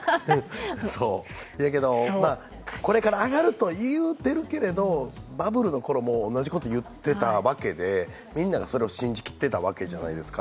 そやけど、これから上がると言うてるけれどバブルのころも同じことを言っていたわけで、みんながそれを信じきっていたわけじゃないですか。